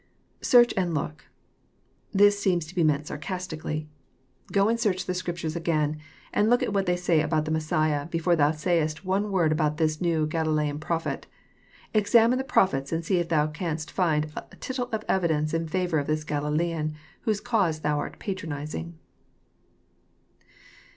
[^Search and look,'} This seems to be meant sarcastically. << Go and search the Scriptures again, and look at what they say about the Messiah, before thou say est one word about this new Gal ilean prophet. Examine the prophets, and see if thou canst find a tittle of evidence in favour of this Galilean, whose cause thou art patronizing."